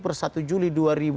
per satu juli dua ribu dua puluh